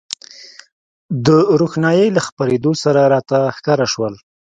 د روښنایۍ له خپرېدو سره راته ښکاره شول.